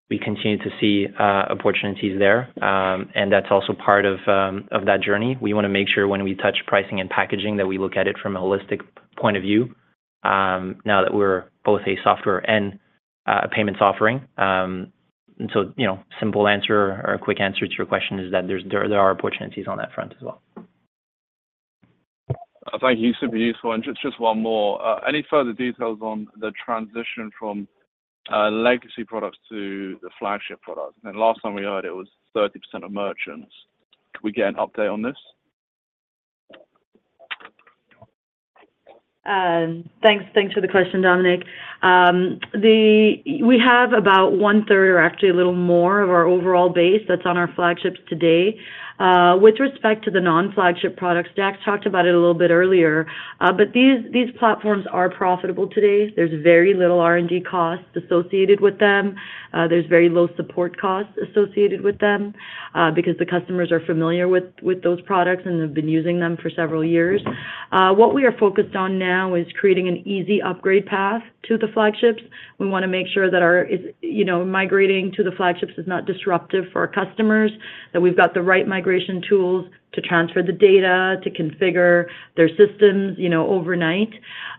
we continue to see opportunities there, and that's also part of that journey. We wanna make sure when we touch pricing and packaging, that we look at it from a holistic point of view, now that we're both a software and a payments offering. And so, you know, simple answer or a quick answer to your question is that there are opportunities on that front as well. Thank you. Super useful. And just, just one more. Any further details on the transition from legacy products to the flagship product? And last time we heard, it was 30% of merchants. Could we get an update on this? Thanks, thanks for the question, Dominic. We have about one-third, or actually a little more, of our overall base that's on our flagships to date. With respect to the non-flagship products, Dax talked about it a little bit earlier, but these platforms are profitable today. There's very little R&D costs associated with them. There's very low support costs associated with them, because the customers are familiar with those products and have been using them for several years. What we are focused on now is creating an easy upgrade path to the flagships. We wanna make sure that our, is you know, migrating to the flagships is not disruptive for our customers, that we've got the right migration tools to transfer the data, to configure their systems, you know, overnight.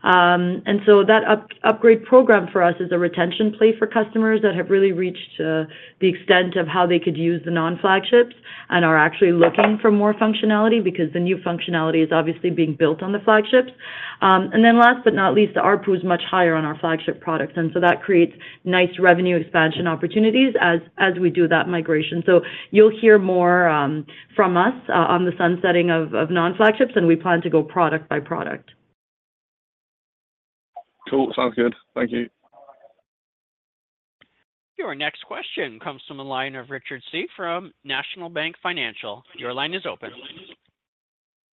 And so that upgrade program for us is a retention play for customers that have really reached the extent of how they could use the non-flagships and are actually looking for more functionality because the new functionality is obviously being built on the flagships. And then last but not least, the ARPU is much higher on our flagship products, and so that creates nice revenue expansion opportunities as we do that migration. So you'll hear more from us on the sunsetting of non-flagships, and we plan to go product by product. Cool. Sounds good. Thank you. Your next question comes from the line of Richard Tse from National Bank Financial. Your line is open.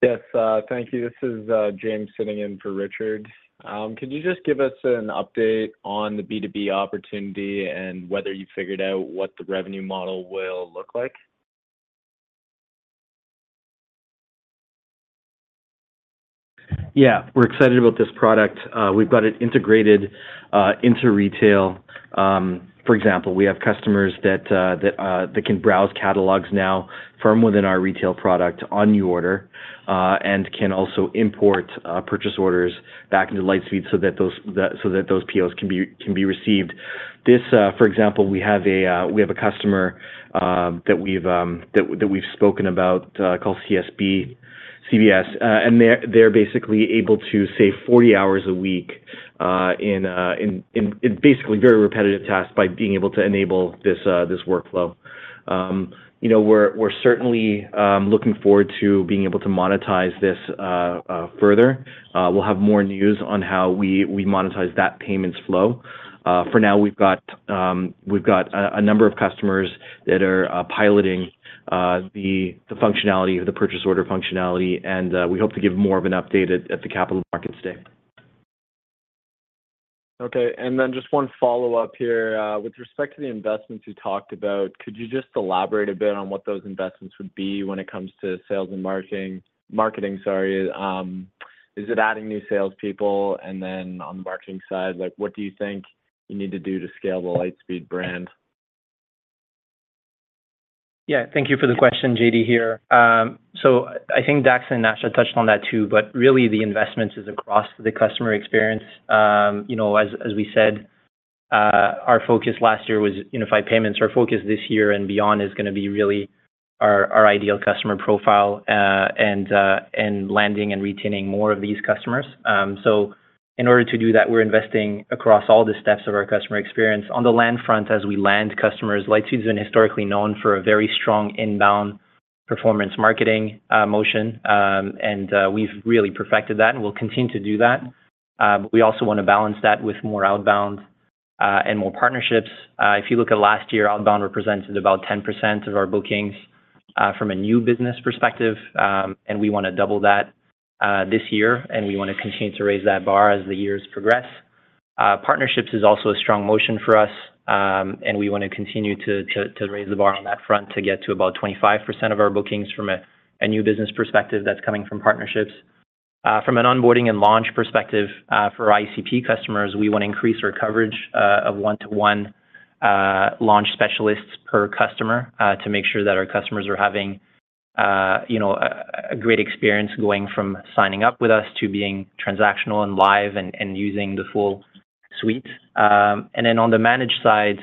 Yes, thank you. This is James sitting in for Richard. Could you just give us an update on the B2B opportunity and whether you figured out what the revenue model will look like? Yeah. We're excited about this product. We've got it integrated into retail. For example, we have customers that can browse catalogs now from within our retail product on NuORDER, and can also import purchase orders back into Lightspeed so that those POS can be received. This, for example, we have a customer that we've spoken about, called CSB, and they're basically able to save 40 hours a week in basically very repetitive tasks by being able to enable this workflow. You know, we're certainly looking forward to being able to monetize this further. We'll have more news on how we monetize that payments flow. For now, we've got a number of customers that are piloting the functionality or the purchase order functionality, and we hope to give more of an update at the Capital Markets Day. Okay, and then just one follow-up here. With respect to the investments you talked about, could you just elaborate a bit on what those investments would be when it comes to sales and marketing? Marketing, sorry. Is it adding new salespeople, and then on the marketing side, like, what do you think you need to do to scale the Lightspeed brand? Yeah. Thank you for the question. JD here. So I think Dax and Asha touched on that, too, but really the investments is across the customer experience. You know, as we said, our focus last year was Unified Payments. Our focus this year and beyond is gonna be really our ideal customer profile, and landing and retaining more of these customers. So in order to do that, we're investing across all the steps of our customer experience. On the land front, as we land customers, Lightspeed's been historically known for a very strong inbound performance marketing motion, and we've really perfected that, and we'll continue to do that. But we also want to balance that with more outbound, and more partnerships. If you look at last year, outbound represented about 10% of our bookings, from a new business perspective, and we wanna double that, this year, and we wanna continue to raise that bar as the years progress. Partnerships is also a strong motion for us, and we want to continue to raise the bar on that front to get to about 25% of our bookings from a new business perspective that's coming from partnerships. From an onboarding and launch perspective, for ICP customers, we wanna increase our coverage of one-to-one launch specialists per customer, to make sure that our customers are having, you know, a great experience going from signing up with us to being transactional and live and using the full suite. And then on the managed side,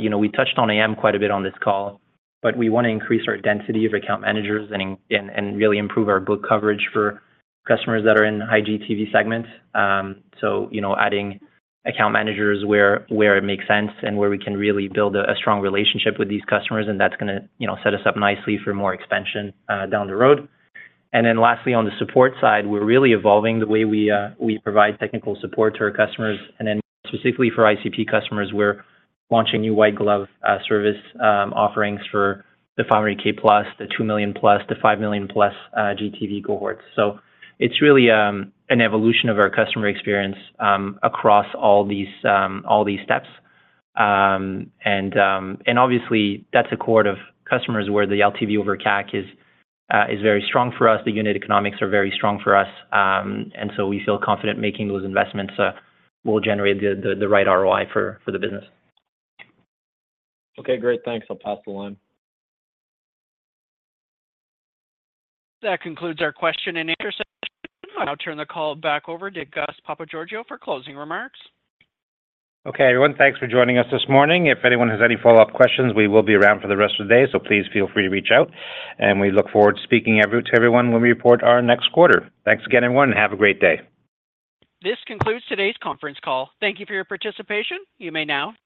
you know, we touched on AM quite a bit on this call, but we wanna increase our density of account managers and really improve our book coverage for customers that are in high GTV segments. So, you know, adding account managers where it makes sense and where we can really build a strong relationship with these customers, and that's gonna, you know, set us up nicely for more expansion down the road. And then lastly, on the support side, we're really evolving the way we provide technical support to our customers. And then specifically for ICP customers, we're launching new white glove service offerings for the 50K+, the $2 million+, the $5 million+ GTV cohorts. So it's really an evolution of our customer experience across all these all these steps. And obviously, that's a cohort of customers where the LTV over CAC is very strong for us, the unit economics are very strong for us, and so we feel confident making those investments will generate the right ROI for the business. Okay, great. Thanks. I'll pass the line. That concludes our question and answer session. I'll turn the call back over to Gus Papageorgiou for closing remarks. Okay, everyone, thanks for joining us this morning. If anyone has any follow-up questions, we will be around for the rest of the day, so please feel free to reach out. We look forward to speaking to everyone when we report our next quarter. Thanks again, everyone, and have a great day. This concludes today's conference call. Thank you for your participation. You may now disconnect.